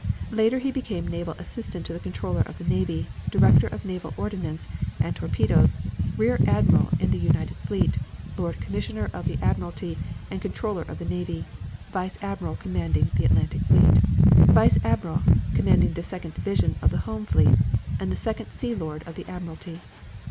Later he became naval assistant to the Controller of the Navy, Director of Naval Ordnance and Torpedoes, Rear Admiral in the United Fleet, Lord Commissioner of the Admiralty and Controller of the Navy, Vice Admiral commanding the Atlantic fleet, Vice Admiral commanding the second division of the Home fleet, and second Sea Lord of the Admiralty.